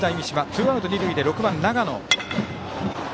ツーアウト二塁で、６番、永野。